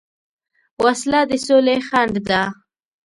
وسله د سولې خنډ ده